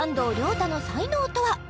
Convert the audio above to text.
汰の才能とは？